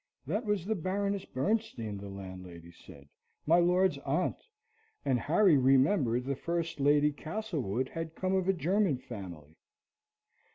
That was the Baroness Bernstein, the landlady said, my lord's aunt, and Harry remembered the first Lady Castlewood had come of a German family.